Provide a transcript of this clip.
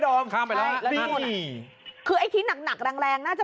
ดอมข้างไปแล้วครับทิสหนักหนักแรงแรงน่าจะ